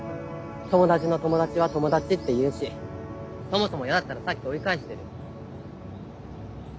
友達の友達は友達っていうしそもそも嫌だったらさっき追い返してる。